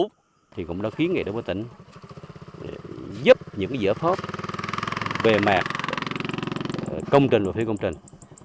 chiến nghị đối với tỉnh giúp những giữa phốp về mạc công trình và phía công trình